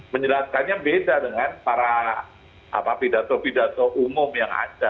menjelaskannya beda dengan para pidato pidato umum yang ada